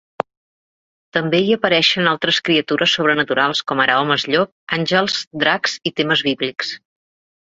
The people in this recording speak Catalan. També hi apareixen altres criatures sobrenaturals com ara homes llop, àngels, dracs i temes bíblics.